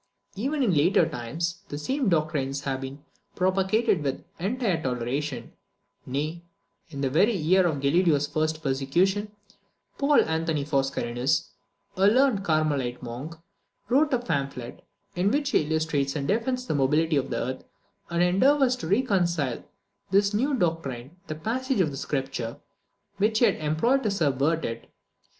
Even in later times, the same doctrines had been propagated with entire toleration: Nay, in the very year of Galileo's first persecution, Paul Anthony Foscarinus, a learned Carmelite monk, wrote a pamphlet, in which he illustrates and defends the mobility of the earth, and endeavours to reconcile to this new doctrine the passages of Scripture which had been employed to subvert it.